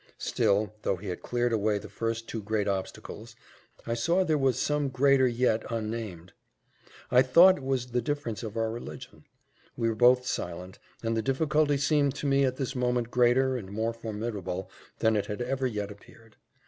Still, though he had cleared away the two first great obstacles, I saw there was some greater yet unnamed. I thought it was the difference of our religion. We were both silent, and the difficulty seemed to me at this moment greater, and more formidable, than it had ever yet appeared.